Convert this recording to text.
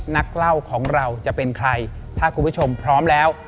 นักเล่าของเราจะเป็นใครถ้าคุณผู้ชมพร้อมแล้ว